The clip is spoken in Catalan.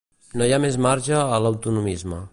No hi ha més marge a l’autonomisme.